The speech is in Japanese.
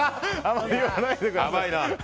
甘いな。